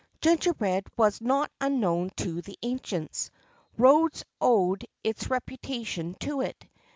Gingerbread was not unknown to the ancients. Rhodes owed its reputation to it.